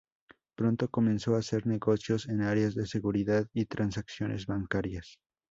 Pronto comenzó a hacer negocios en áreas de seguridad y transacciones bancarias.